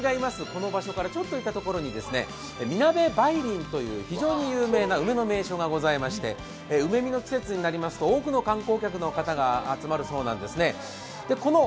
この場所からちょっと行ったところに南部梅林という非常に有名な梅の名所がございまして梅見の季節になりますと多くの観光客が来るそうなんですね。